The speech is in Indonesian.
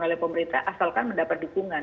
oleh pemerintah asalkan mendapat dukungan